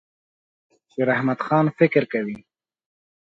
شیراحمدخان فکر کوي.